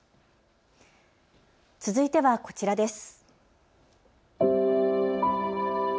続いてはこちらです。